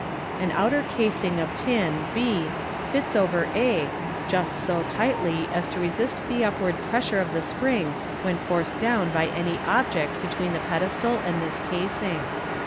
An outer casing of tin, b, fits over a, just so tightly as to resist the upward pres sure of the spring when forced down by any ob ject between the pedestal and this casing.